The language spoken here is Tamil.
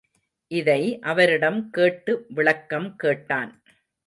இதை அவரிடம் கேட்டு விளக்கம் கேட்டான்.